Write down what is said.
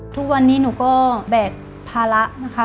ทุกวันนี้หนูก็แบกภาระนะคะ